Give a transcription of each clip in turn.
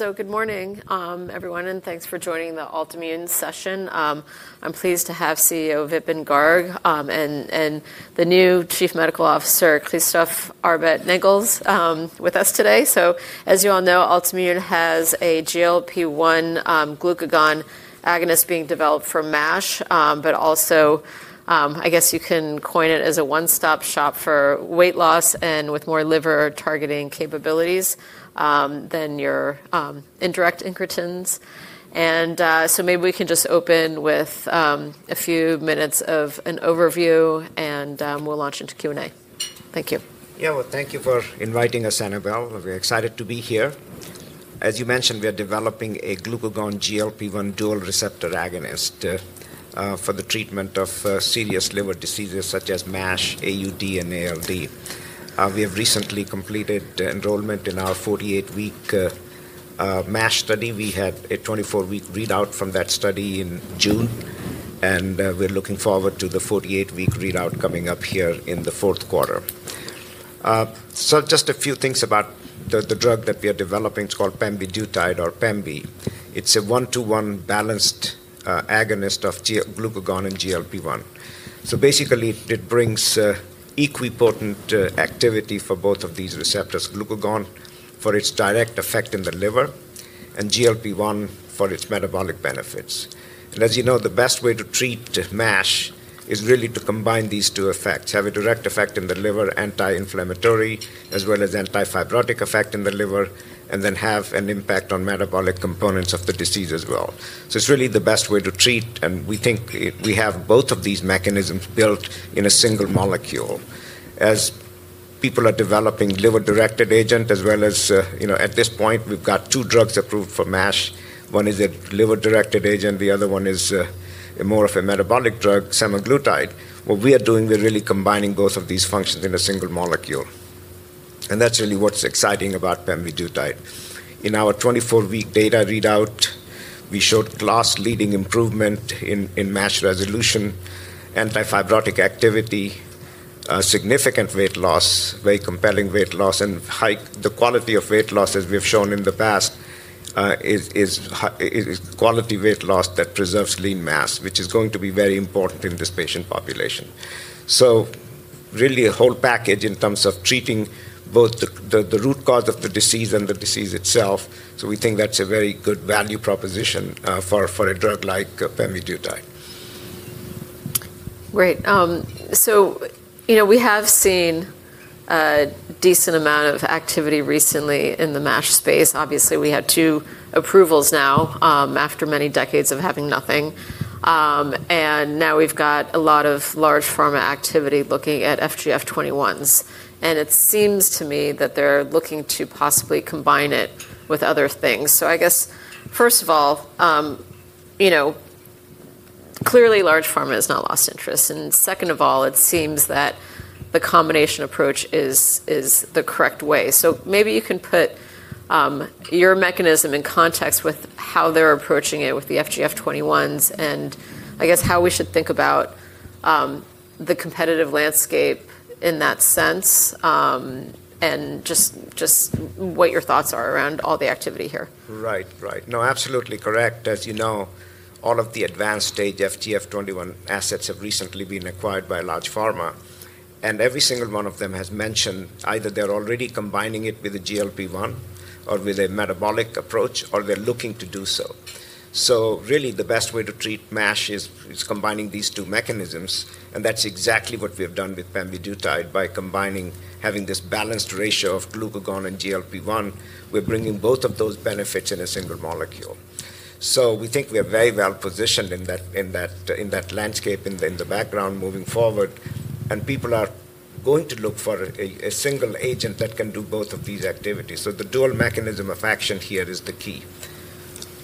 Good morning, everyone, and thanks for joining the Altimmune session. I'm pleased to have CEO Vipin Garg and the new Chief Medical Officer, Christophe Arbet-Engels, with us today. As you all know, Altimmune has a GLP-1 glucagon agonist being developed for MASH, but also, I guess you can coin it as a one-stop shop for weight loss and with more liver-targeting capabilities than your indirect ingredients. Maybe we can just open with a few minutes of an overview, and we'll launch into Q&A. Thank you. Yeah, thank you for inviting us, Annabel. We're excited to be here. As you mentioned, we are developing a glucagon GLP-1 dual receptor agonist for the treatment of serious liver diseases such as MASH, AUD, and ALD. We have recently completed enrollment in our 48-week MASH study. We had a 24-week readout from that study in June, and we're looking forward to the 48-week readout coming up here in the fourth quarter. Just a few things about the drug that we are developing. It's called pemvidutide or Pemvi. It's a one-to-one balanced agonist of glucagon and GLP-1. Basically, it brings equal potent activity for both of these receptors: glucagon for its direct effect in the liver and GLP-1 for its metabolic benefits. As you know, the best way to treat MASH is really to combine these two effects: have a direct effect in the liver, anti-inflammatory, as well as anti-fibrotic effect in the liver, and then have an impact on metabolic components of the disease as well. It is really the best way to treat, and we think we have both of these mechanisms built in a single molecule. As people are developing liver-directed agents, as well as, you know, at this point, we've got two drugs approved for MASH. One is a liver-directed agent. The other one is more of a metabolic drug, semaglutide. What we are doing, we're really combining both of these functions in a single molecule. That is really what's exciting about pemvidutide. In our 24-week data readout, we showed class-leading improvement in MASH resolution, anti-fibrotic activity, significant weight loss, very compelling weight loss, and the quality of weight loss, as we have shown in the past, is quality weight loss that preserves lean mass, which is going to be very important in this patient population. Really a whole package in terms of treating both the root cause of the disease and the disease itself. We think that's a very good value proposition for a drug like pemvidutide. Great. So, you know, we have seen a decent amount of activity recently in the MASH space. Obviously, we had two approvals now after many decades of having nothing. Now we've got a lot of large pharma activity looking at FGF21s. It seems to me that they're looking to possibly combine it with other things. I guess, first of all, you know, clearly large pharma has not lost interest. Second of all, it seems that the combination approach is the correct way. Maybe you can put your mechanism in context with how they're approaching it with the FGF21s and I guess how we should think about the competitive landscape in that sense and just what your thoughts are around all the activity here. Right, right. No, absolutely correct. As you know, all of the advanced stage FGF21 assets have recently been acquired by large pharma. Every single one of them has mentioned either they're already combining it with a GLP-1 or with a metabolic approach, or they're looking to do so. Really the best way to treat MASH is combining these two mechanisms. That's exactly what we have done with pemvidutide by combining, having this balanced ratio of glucagon and GLP-1. We're bringing both of those benefits in a single molecule. We think we are very well positioned in that landscape in the background moving forward. People are going to look for a single agent that can do both of these activities. The dual mechanism of action here is the key.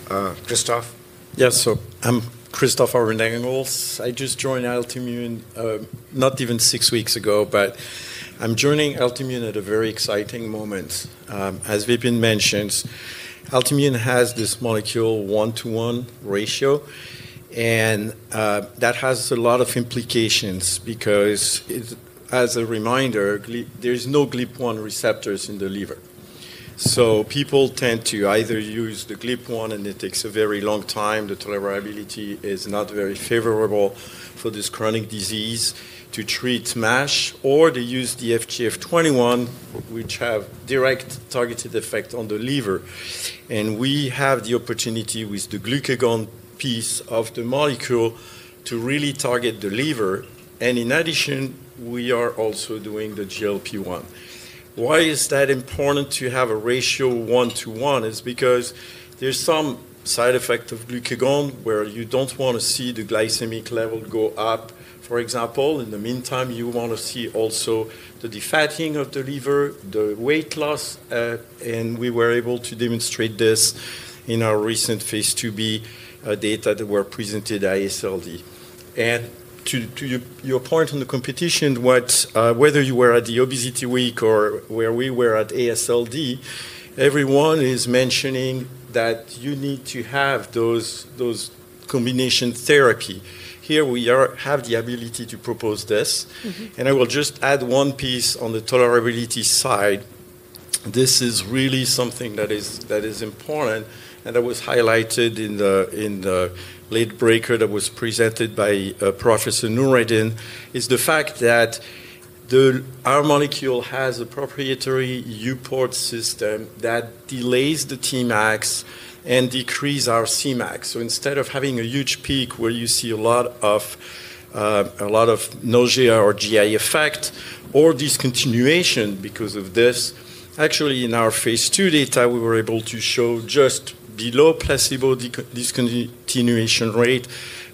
Christophe? Yes, so I'm Christophe Arbet-Engels. I just joined Altimmune not even six weeks ago, but I'm joining Altimmune at a very exciting moment. As Vipin mentioned, Altimmune has this molecule one-to-one ratio, and that has a lot of implications because, as a reminder, there are no GLP-1 receptors in the liver. People tend to either use the GLP-1, and it takes a very long time. The tolerability is not very favorable for this chronic disease to treat MASH, or they use the FGF21, which has a direct targeted effect on the liver. We have the opportunity with the glucagon piece of the molecule to really target the liver. In addition, we are also doing the GLP-1. Why is that important to have a ratio one-to-one? It's because there's some side effect of glucagon where you don't want to see the glycemic level go up. For example, in the meantime, you want to see also the defatting of the liver, the weight loss. We were able to demonstrate this in our recent phase II-B data that were presented at AASLD. To your point on the competition, whether you were at the Obesity Week or where we were at AASLD, everyone is mentioning that you need to have those combination therapies. Here we have the ability to propose this. I will just add one piece on the tolerability side. This is really something that is important, and that was highlighted in the late breaker that was presented by Professor Nuridin, is the fact that our molecule has a proprietary UPORT system that delays the Tmax and decreases our Cmax. Instead of having a huge peak where you see a lot of nausea or GI effect or discontinuation because of this, actually in our phase II data, we were able to show just below placebo discontinuation rate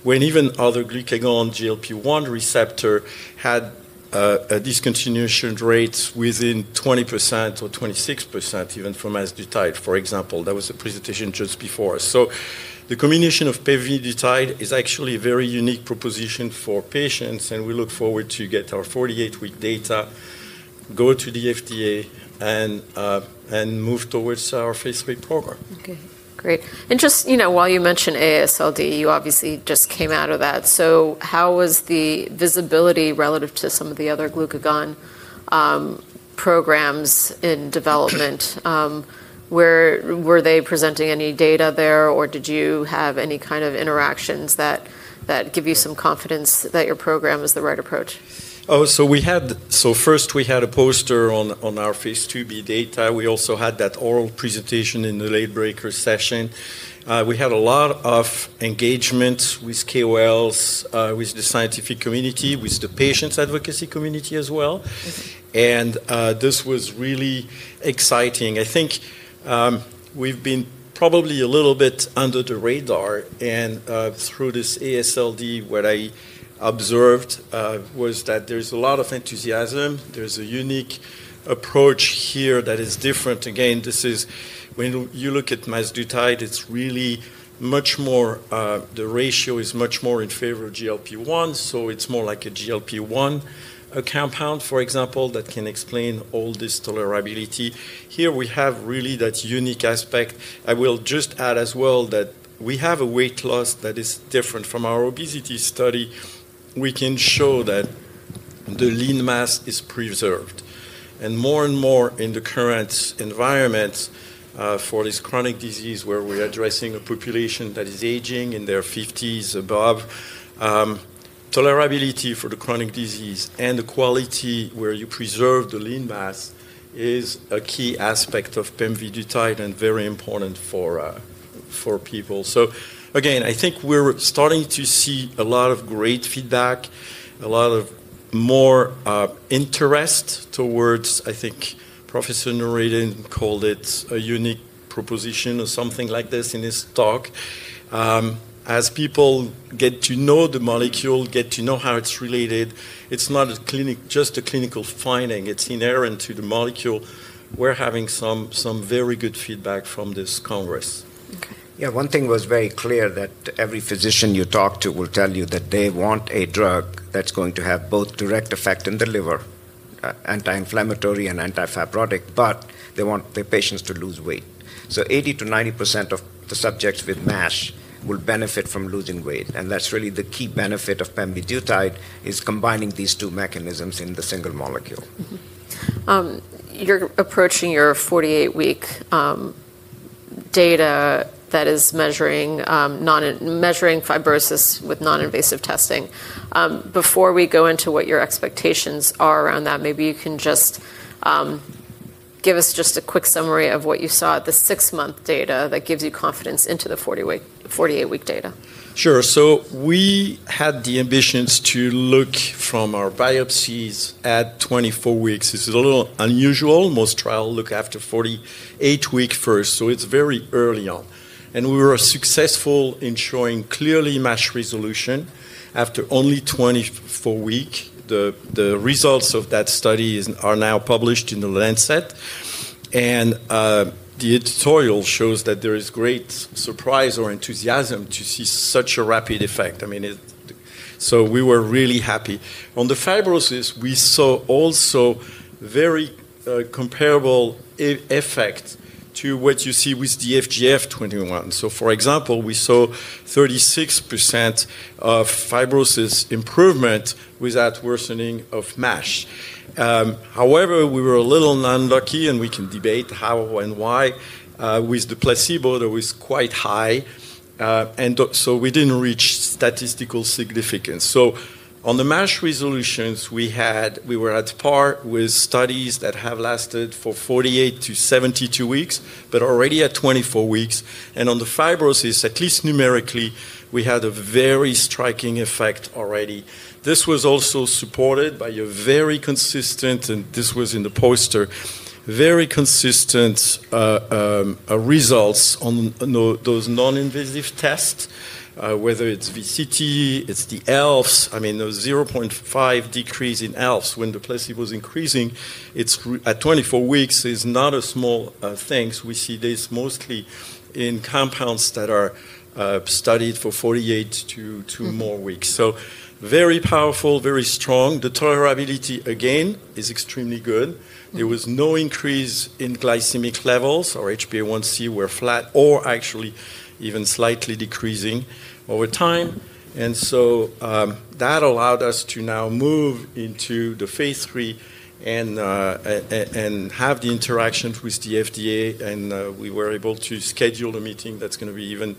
when even other glucagon GLP-1 receptors had a discontinuation rate within 20% or 26% even from Mazdutide, for example. That was the presentation just before. The combination of pemvidutide is actually a very unique proposition for patients, and we look forward to getting our 48-week data, going to the FDA, and moving towards our phase III program. Okay, great. And just, you know, while you mentioned AASLD, you obviously just came out of that. How was the visibility relative to some of the other glucagon programs in development? Were they presenting any data there, or did you have any kind of interactions that give you some confidence that your program is the right approach? Oh, so we had, so first we had a poster on our phase IIb data. We also had that oral presentation in the late breaker session. We had a lot of engagement with KOLs, with the scientific community, with the patients' advocacy community as well. This was really exciting. I think we've been probably a little bit under the radar. Through this AASLD, what I observed was that there's a lot of enthusiasm. There's a unique approach here that is different. Again, this is when you look at Mazdutide, it's really much more the ratio is much more in favor of GLP-1. It's more like a GLP-1 compound, for example, that can explain all this tolerability. Here we have really that unique aspect. I will just add as well that we have a weight loss that is different from our obesity study. We can show that the lean mass is preserved. More and more in the current environment for this chronic disease where we're addressing a population that is aging in their 50s above, tolerability for the chronic disease and the quality where you preserve the lean mass is a key aspect of pemvidutide and very important for people. Again, I think we're starting to see a lot of great feedback, a lot more interest towards, I think Professor Nuridin called it a unique proposition or something like this in his talk. As people get to know the molecule, get to know how it's related, it's not just a clinical finding. It's inherent to the molecule. We're having some very good feedback from this congress. Yeah, one thing was very clear that every physician you talk to will tell you that they want a drug that's going to have both direct effect in the liver, anti-inflammatory and anti-fibrotic, but they want their patients to lose weight. 80%-90% of the subjects with MASH will benefit from losing weight. That's really the key benefit of pemvidutide is combining these two mechanisms in the single molecule. You're approaching your 48-week data that is measuring fibrosis with non-invasive testing. Before we go into what your expectations are around that, maybe you can just give us just a quick summary of what you saw at the six-month data that gives you confidence into the 48-week data. Sure. We had the ambitions to look from our biopsies at 24 weeks. This is a little unusual. Most trials look after 48 weeks first. It is very early on. We were successful in showing clearly MASH resolution after only 24 weeks. The results of that study are now published in The Lancet. The editorial shows that there is great surprise or enthusiasm to see such a rapid effect. I mean, we were really happy. On the fibrosis, we saw also very comparable effects to what you see with the FGF21. For example, we saw 36% of fibrosis improvement without worsening of MASH. However, we were a little non-lucky, and we can debate how and why with the placebo that was quite high. We did not reach statistical significance. On the MASH resolutions, we were at par with studies that have lasted for 48-72 weeks, but already at 24 weeks. On the fibrosis, at least numerically, we had a very striking effect already. This was also supported by a very consistent, and this was in the poster, very consistent results on those non-invasive tests, whether it's VCTE, it's the ELF. I mean, a 0.5 decrease in ELF when the placebo was increasing at 24 weeks is not a small thing. We see this mostly in compounds that are studied for 48 or more weeks. Very powerful, very strong. The tolerability, again, is extremely good. There was no increase in glycemic levels. Our HbA1c were flat or actually even slightly decreasing over time. That allowed us to now move into the phase III and have the interaction with the FDA. We were able to schedule a meeting that's going to be, even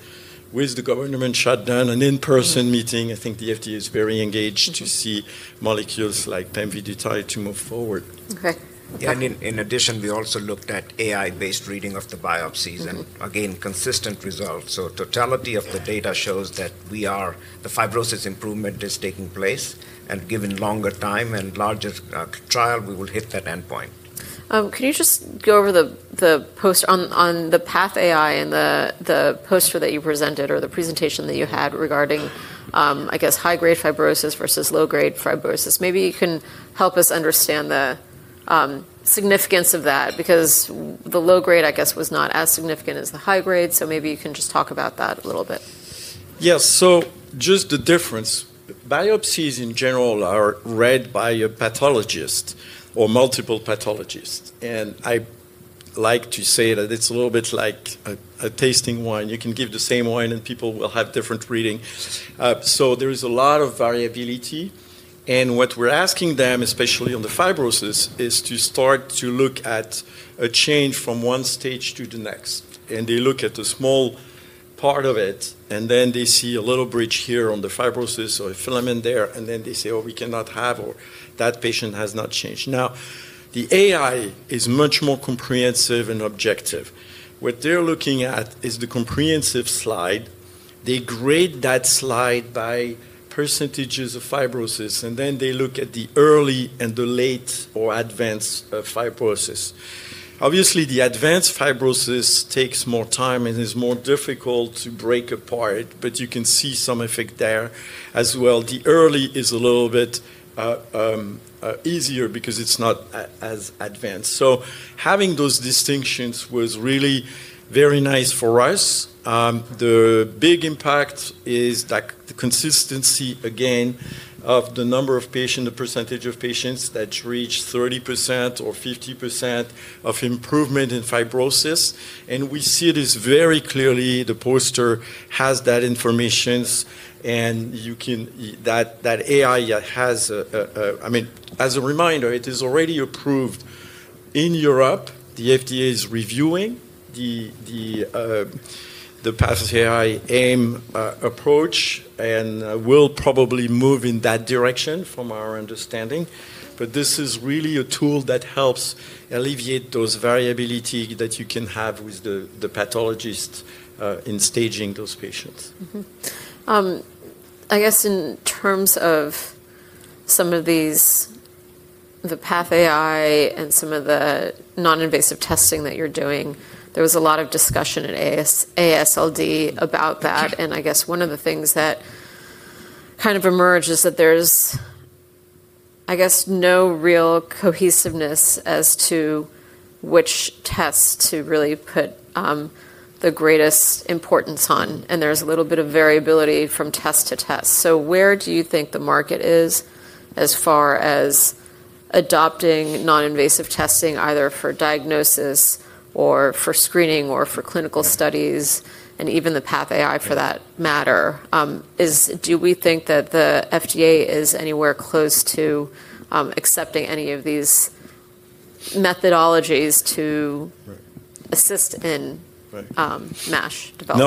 with the government shutdown, an in-person meeting. I think the FDA is very engaged to see molecules like pemvidutide move forward. In addition, we also looked at AI-based reading of the biopsies and again, consistent results. The totality of the data shows that the fibrosis improvement is taking place and given longer time and larger trial, we will hit that endpoint. Can you just go over the post on the PathAI and the poster that you presented or the presentation that you had regarding, I guess, high-grade fibrosis versus low-grade fibrosis? Maybe you can help us understand the significance of that because the low-grade, I guess, was not as significant as the high-grade. Maybe you can just talk about that a little bit. Yes, so just the difference. Biopsies in general are read by a pathologist or multiple pathologists. I like to say that it's a little bit like tasting wine. You can give the same wine and people will have different reading. There is a lot of variability. What we're asking them, especially on the fibrosis, is to start to look at a change from one stage to the next. They look at a small part of it, and then they see a little bridge here on the fibrosis or a filament there, and then they say, "Oh, we cannot have or that patient has not changed." Now, the AI is much more comprehensive and objective. What they're looking at is the comprehensive slide. They grade that slide by percentages of fibrosis, and then they look at the early and the late or advanced fibrosis. Obviously, the advanced fibrosis takes more time and is more difficult to break apart, but you can see some effect there as well. The early is a little bit easier because it's not as advanced. Having those distinctions was really very nice for us. The big impact is the consistency, again, of the number of patients, the percentage of patients that reach 30% or 50% of improvement in fibrosis. We see this very clearly. The poster has that information, and that AI has, I mean, as a reminder, it is already approved in Europe. The FDA is reviewing the PathAI AIM approach and will probably move in that direction from our understanding. This is really a tool that helps alleviate those variability that you can have with the pathologist in staging those patients. I guess in terms of some of these, the PathAI and some of the non-invasive testing that you're doing, there was a lot of discussion at AASLD about that. I guess one of the things that kind of emerged is that there's, I guess, no real cohesiveness as to which tests to really put the greatest importance on. There's a little bit of variability from test to test. Where do you think the market is as far as adopting non-invasive testing either for diagnosis or for screening or for clinical studies and even the PathAI for that matter? Do we think that the FDA is anywhere close to accepting any of these methodologies to assist in MASH development?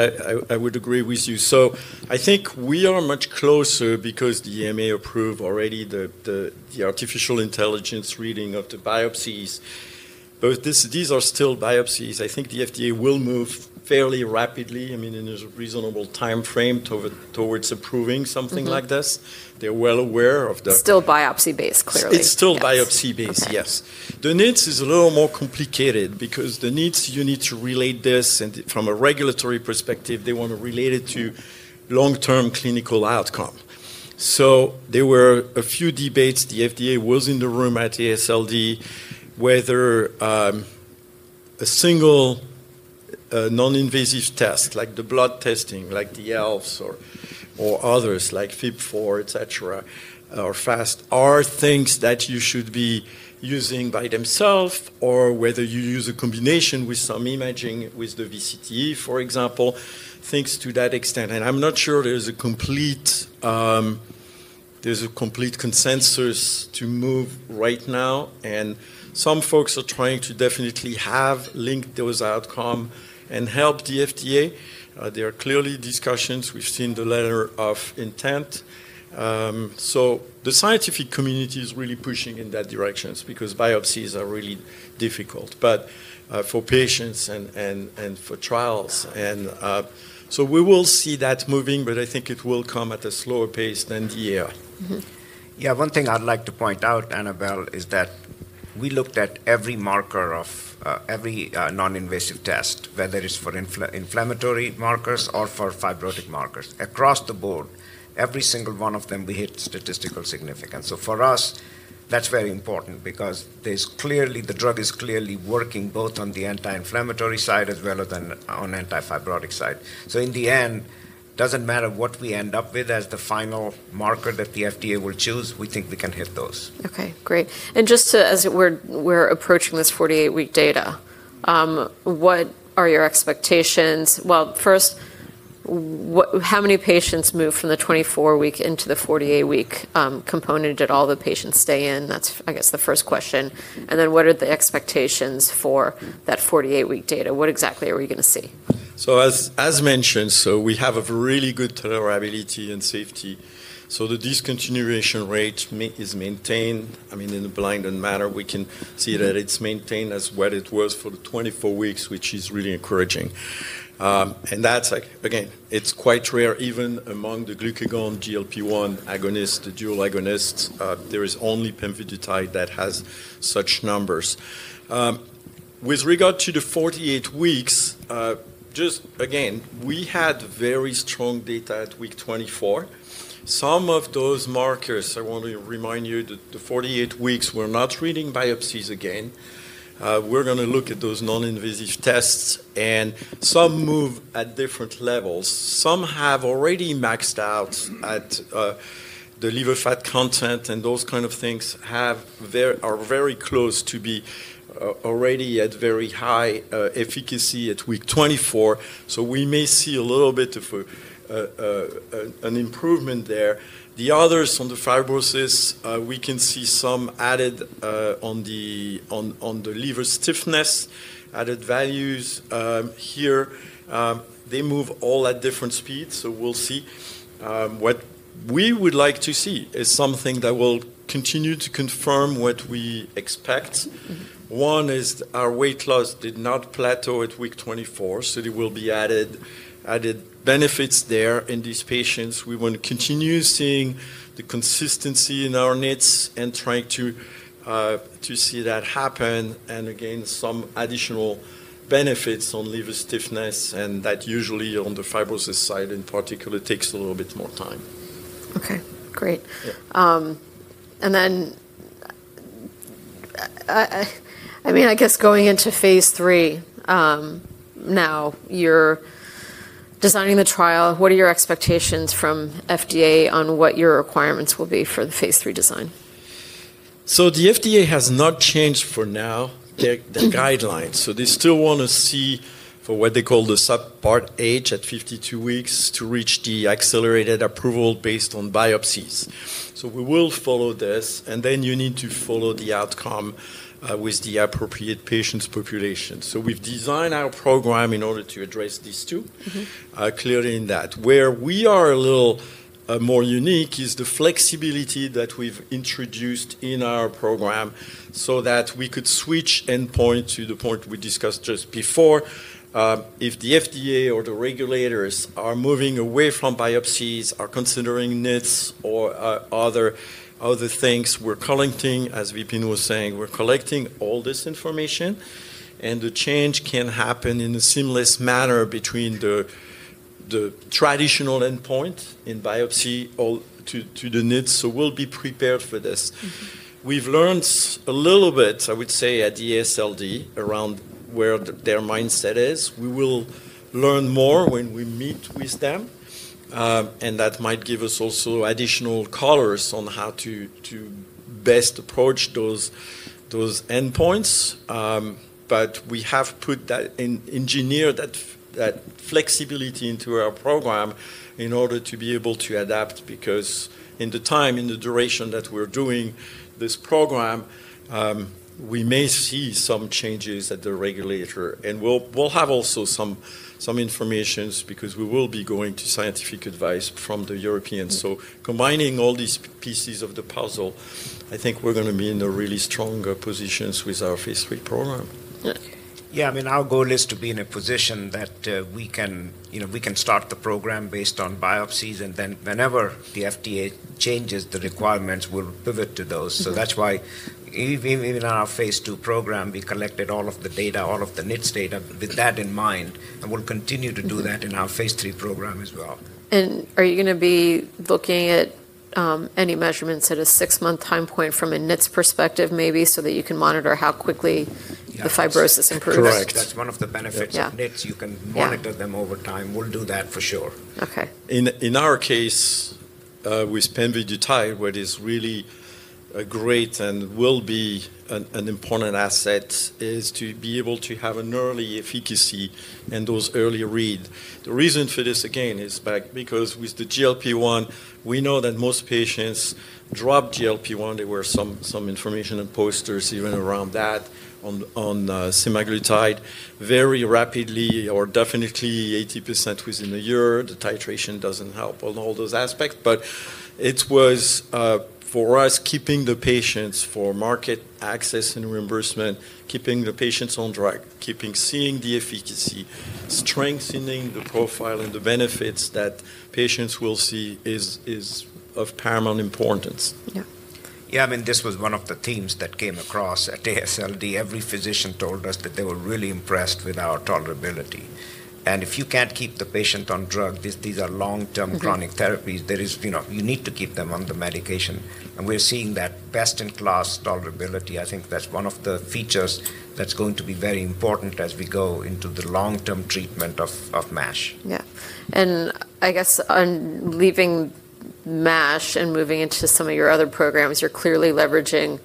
No, I would agree with you. I think we are much closer because the EMA approved already the artificial intelligence reading of the biopsies. These are still biopsies. I think the FDA will move fairly rapidly, I mean, in a reasonable timeframe towards approving something like this. They're well aware of the. It's still biopsy-based, clearly. It's still biopsy-based, yes. The needs is a little more complicated because the needs you need to relate this and from a regulatory perspective, they want to relate it to long-term clinical outcome. There were a few debates. The FDA was in the room at AASLD whether a single non-invasive test like the blood testing, like the ELFs or others like FIB-4, et cetera, or FAST are things that you should be using by themselves or whether you use a combination with some imaging with the VCTE, for example, things to that extent. I'm not sure there's a complete consensus to move right now. Some folks are trying to definitely link those outcomes and help the FDA. There are clearly discussions. We've seen the letter of intent. The scientific community is really pushing in that direction because biopsies are really difficult, but for patients and for trials. We will see that moving, but I think it will come at a slower pace than the year. Yeah, one thing I'd like to point out, Annabelle, is that we looked at every marker of every non-invasive test, whether it's for inflammatory markers or for fibrotic markers. Across the board, every single one of them, we hit statistical significance. For us, that's very important because the drug is clearly working both on the anti-inflammatory side as well as on the antifibrotic side. In the end, it doesn't matter what we end up with as the final marker that the FDA will choose. We think we can hit those. Okay, great. Just as we're approaching this 48-week data, what are your expectations? First, how many patients move from the 24-week into the 48-week component? Did all the patients stay in? That's, I guess, the first question. What are the expectations for that 48-week data? What exactly are we going to see? As mentioned, we have a really good tolerability and safety. The discontinuation rate is maintained. I mean, in a blinded manner, we can see that it is maintained as what it was for the 24 weeks, which is really encouraging. That is, again, quite rare even among the glucagon GLP-1 agonists, the dual agonists. There is only pemvidutide that has such numbers. With regard to the 48 weeks, just again, we had very strong data at week 24. Some of those markers, I want to remind you, the 48 weeks, we are not reading biopsies again. We are going to look at those non-invasive tests. Some move at different levels. Some have already maxed out at the liver fat content and those kind of things are very close to be already at very high efficacy at week 24. We may see a little bit of an improvement there. The others on the fibrosis, we can see some added on the liver stiffness, added values here. They move all at different speeds. We'll see. What we would like to see is something that will continue to confirm what we expect. One is our weight loss did not plateau at week 24, so there will be added benefits there in these patients. We want to continue seeing the consistency in our needs and trying to see that happen. Again, some additional benefits on liver stiffness and that usually on the fibrosis side in particular takes a little bit more time. Okay, great. I mean, I guess going into phase III now, you're designing the trial. What are your expectations from FDA on what your requirements will be for the phase III design? The FDA has not changed for now the guidelines. They still want to see for what they call the subpart H at 52 weeks to reach the accelerated approval based on biopsies. We will follow this. Then you need to follow the outcome with the appropriate patients' population. We have designed our program in order to address these two, clearly in that. Where we are a little more unique is the flexibility that we have introduced in our program so that we could switch endpoint to the point we discussed just before. If the FDA or the regulators are moving away from biopsies, are considering needs or other things, we are collecting, as Vipin was saying, we are collecting all this information. The change can happen in a seamless manner between the traditional endpoint in biopsy to the needs. We will be prepared for this. We've learned a little bit, I would say, at AASLD around where their mindset is. We will learn more when we meet with them. That might give us also additional colors on how to best approach those endpoints. We have put that engineer, that flexibility into our program in order to be able to adapt because in the time, in the duration that we're doing this program, we may see some changes at the regulator. We will have also some information because we will be going to scientific advice from the Europeans. Combining all these pieces of the puzzle, I think we're going to be in a really strong position with our phase III program. Yeah, I mean, our goal is to be in a position that we can start the program based on biopsies. Whenever the FDA changes the requirements, we'll pivot to those. That's why even in our phase two program, we collected all of the data, all of the needs data with that in mind. We'll continue to do that in our phase III program as well. Are you going to be looking at any measurements at a six-month time point from a needs perspective maybe so that you can monitor how quickly the fibrosis improves? Correct. That's one of the benefits of needs. You can monitor them over time. We'll do that for sure. In our case with pemvidutide, what is really great and will be an important asset is to be able to have an early efficacy and those early reads. The reason for this again is because with the GLP-1, we know that most patients drop GLP-1. There were some information on posters even around that on semaglutide very rapidly or definitely 80% within a year. The titration doesn't help on all those aspects. It was for us keeping the patients for market access and reimbursement, keeping the patients on track, keeping seeing the efficacy, strengthening the profile and the benefits that patients will see is of paramount importance. Yeah, I mean, this was one of the themes that came across at AASLD. Every physician told us that they were really impressed with our tolerability. If you can't keep the patient on drug, these are long-term chronic therapies. You need to keep them on the medication. We're seeing that best-in-class tolerability. I think that's one of the features that's going to be very important as we go into the long-term treatment of MASH. Yeah. I guess on leaving MASH and moving into some of your other programs, you're clearly leveraging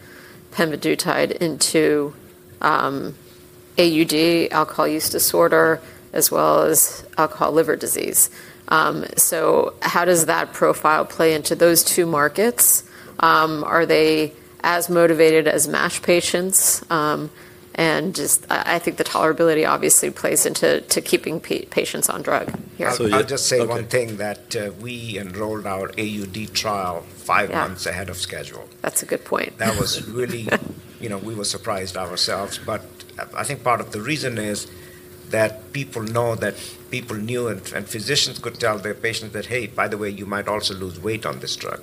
pemvidutide into AUD, alcohol use disorder, as well as alcohol liver disease. How does that profile play into those two markets? Are they as motivated as MASH patients? I think the tolerability obviously plays into keeping patients on drug. I'll just say one thing that we enrolled our AUD trial five months ahead of schedule. That's a good point. That was really, we were surprised ourselves. I think part of the reason is that people know that people knew and physicians could tell their patients that, "Hey, by the way, you might also lose weight on this drug."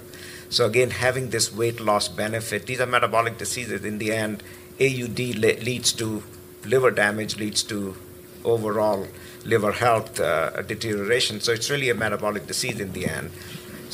Again, having this weight loss benefit, these are metabolic diseases. In the end, AUD leads to liver damage, leads to overall liver health deterioration. It is really a metabolic disease in the end.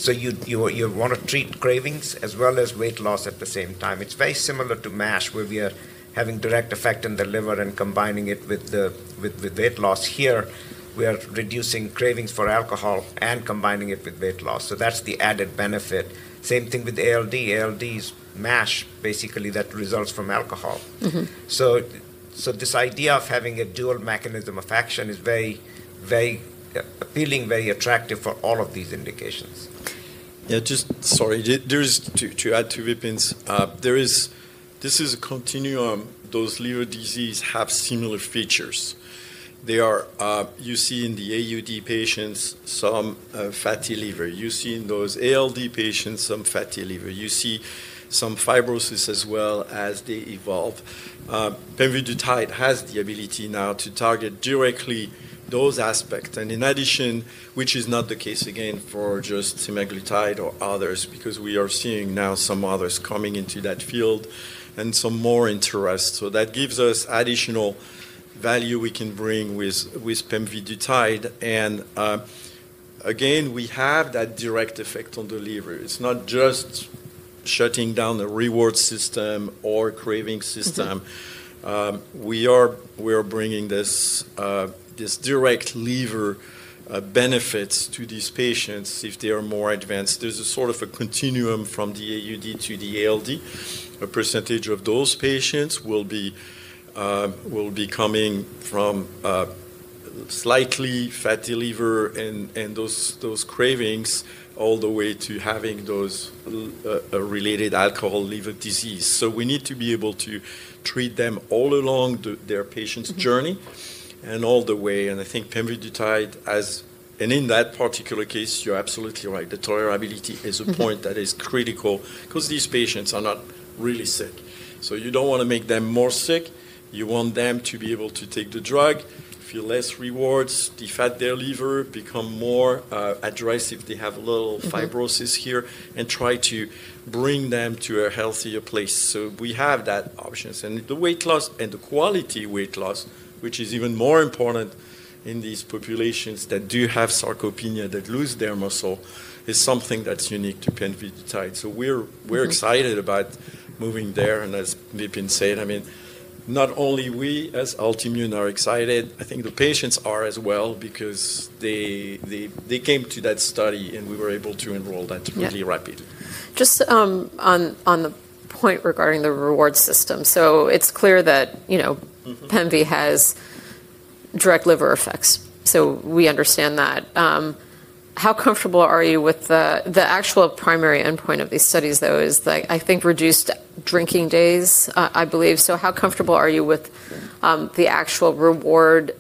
You want to treat cravings as well as weight loss at the same time. It is very similar to MASH where we are having direct effect in the liver and combining it with weight loss. Here, we are reducing cravings for alcohol and combining it with weight loss. That is the added benefit. Same thing with ALD. ALD is MASH basically that results from alcohol. This idea of having a dual mechanism of action is very appealing, very attractive for all of these indications. Yeah, just sorry. To add to Vipin's, this is a continuum. Those liver diseases have similar features. You see in the AUD patients some fatty liver. You see in those ALD patients some fatty liver. You see some fibrosis as well as they evolve. Pemvidutide has the ability now to target directly those aspects. In addition, which is not the case again for just semaglutide or others because we are seeing now some others coming into that field and some more interest. That gives us additional value we can bring with pemvidutide. Again, we have that direct effect on the liver. It's not just shutting down the reward system or craving system. We are bringing these direct liver benefits to these patients if they are more advanced. There's a sort of a continuum from the AUD to the ALD. A percentage of those patients will be coming from slightly fatty liver and those cravings all the way to having those related alcohol liver disease. We need to be able to treat them all along their patient's journey and all the way. I think pemvidutide has an, in that particular case, you're absolutely right. The tolerability is a point that is critical because these patients are not really sick. You don't want to make them more sick. You want them to be able to take the drug, feel less rewards, defat their liver, become more aggressive. They have a little fibrosis here and try to bring them to a healthier place. We have that options. The weight loss and the quality weight loss, which is even more important in these populations that do have sarcopenia that lose their muscle, is something that's unique to pemvidutide. We're excited about moving there. And as Vipin said, I mean, not only we as Altimmune are excited, I think the patients are as well because they came to that study and we were able to enroll that really rapidly. Just on the point regarding the reward system. It is clear that pemvidutide has direct liver effects. We understand that. How comfortable are you with the actual primary endpoint of these studies, though? I think reduced drinking days, I believe. How comfortable are you with the actual reward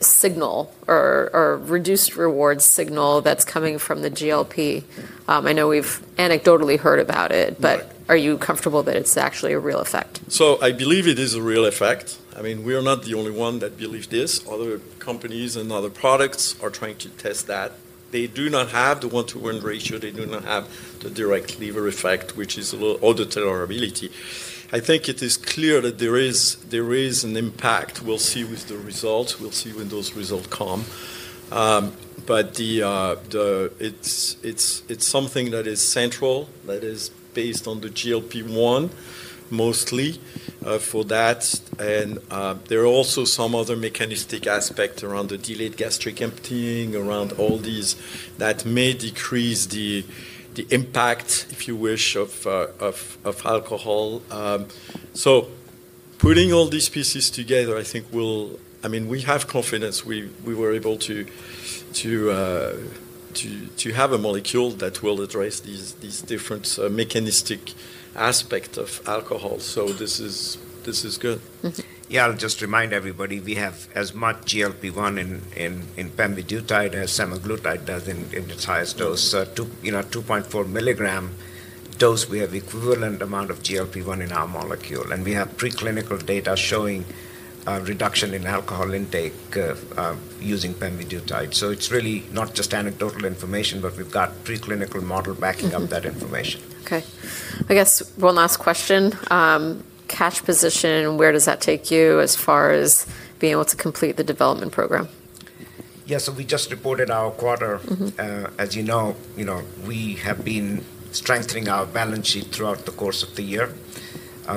signal or reduced reward signal that is coming from the GLP? I know we have anecdotally heard about it, but are you comfortable that it is actually a real effect? I believe it is a real effect. I mean, we are not the only ones that believe this. Other companies and other products are trying to test that. They do not have the one-to-one ratio. They do not have the direct liver effect, which is a little older tolerability. I think it is clear that there is an impact. We'll see with the results. We'll see when those results come. It's something that is central that is based on the GLP-1 mostly for that. There are also some other mechanistic aspects around the delayed gastric emptying, around all these that may decrease the impact, if you wish, of alcohol. Putting all these pieces together, I think we have confidence. We were able to have a molecule that will address these different mechanistic aspects of alcohol. This is good. Yeah, I'll just remind everybody we have as much GLP-1 in pemvidutide as semaglutide does in its highest dose. At the 2.4 mg dose, we have equivalent amount of GLP-1 in our molecule. We have preclinical data showing reduction in alcohol intake using pemvidutide. It is really not just anecdotal information, but we have got preclinical model backing up that information. Okay. I guess one last question. Catch position, where does that take you as far as being able to complete the development program? Yeah, so we just reported our quarter. As you know, we have been strengthening our balance sheet throughout the course of the year.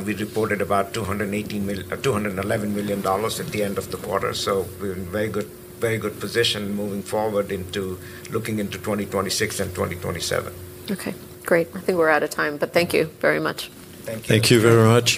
We reported about $211 million at the end of the quarter. We are in very good position moving forward into looking into 2026 and 2027. Okay, great. I think we're out of time, but thank you very much. Thank you. Thank you very much.